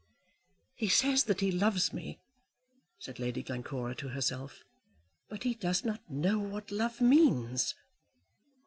"He says that he loves me," said Lady Glencora to herself, "but he does not know what love means."